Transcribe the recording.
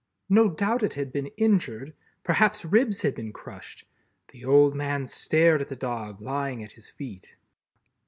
No doubt it had been injured. Perhaps ribs had been crushed. The old man stared at the dog lying at his feet."